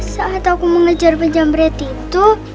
saat aku mengejar pejam berat itu